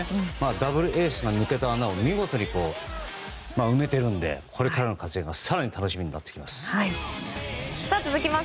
ダブルエースが抜けた穴を見事に埋めているのでこれからの活躍が更に楽しみになってきます。